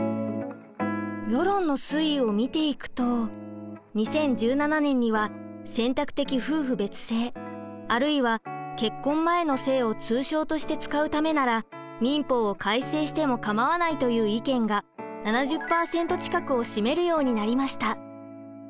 世論の推移を見ていくと２０１７年には選択的夫婦別姓あるいは結婚前の姓を通称として使うためなら民法を改正しても構わないという意見が７０％近くを占めるようになりました。